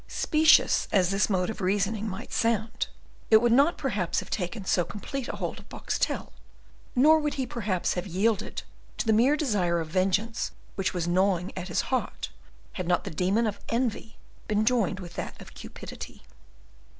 Specious as this mode of reasoning might sound, it would not perhaps have taken so complete a hold of Boxtel, nor would he perhaps have yielded to the mere desire of vengeance which was gnawing at his heart, had not the demon of envy been joined with that of cupidity.